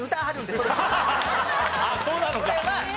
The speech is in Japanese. あっそうなのか。